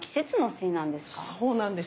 そうなんですよね。